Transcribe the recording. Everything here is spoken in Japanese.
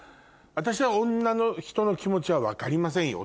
私は女の人の気持ちは分かりませんよ